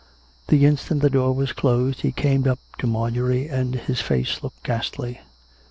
The instant the door was closed he came up to Marjorie and his face looked ghastly.